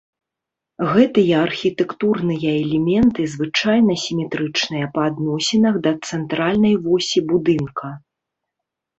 Гэтыя архітэктурныя элементы звычайна сіметрычныя па адносінах да цэнтральнай восі будынка.